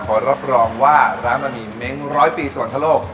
รับรองว่าร้านบะหมี่เม้งร้อยปีสวรรคโลก